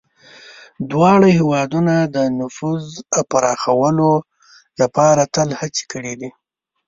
دواړه هېوادونه د نفوذ پراخولو لپاره تل هڅې کړي دي.